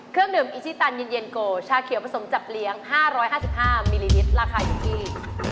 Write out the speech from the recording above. เครื่องดื่มอิชิตันเย็นโกชาเขียวผสมจับเลี้ยง๕๕มิลลิลิตรราคาอยู่ที่